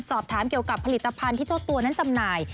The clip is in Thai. สอบถามเกี่ยวกับผลิตภัณฑ์ที่เจ้าตัวนั้นจำหน่าย